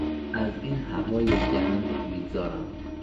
از این هوای گند بیزارم!